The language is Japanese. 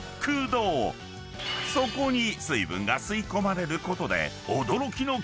［そこに水分が吸い込まれることで］